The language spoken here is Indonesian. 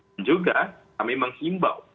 dan juga kami menghimbau